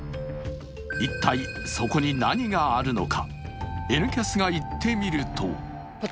一体そこに何があるのか？